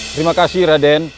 terima kasih raden